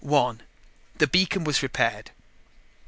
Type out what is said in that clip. One: The beacon was repaired.